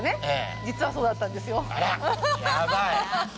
実はそうだったんですよ。